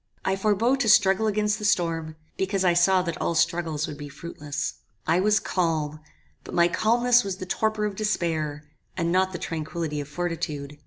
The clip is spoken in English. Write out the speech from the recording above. I forbore to struggle against the storm, because I saw that all struggles would be fruitless. I was calm; but my calmness was the torpor of despair, and not the tranquillity of fortitude.